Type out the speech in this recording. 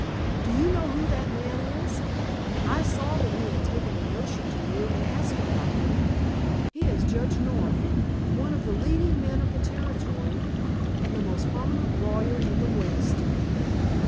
"Do you know who that man is? I saw that he had taken a notion to you and asked about him. He is Judge North, one of the leading men of the Territory and the most prominent lawyer in the West."